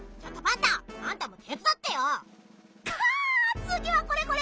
つぎはこれこれ！